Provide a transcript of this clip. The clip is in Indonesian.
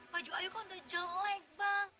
baju ayu kok udah jelek bang